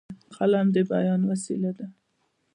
قلم د بیان وسیله ده.